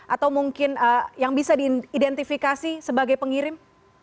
atau mungkin yang bisa diidentifikasi sebagai pengirim